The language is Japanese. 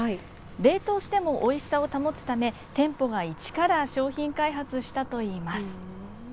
冷凍してもおいしさを保つため店舗が１から商品開発したといいます。